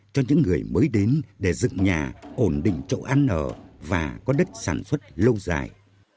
cho những người mới đến để dựng nhà ổn định chỗ ăn ở và có đất sản xuất lâu dài